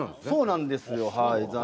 そうなんですよはい。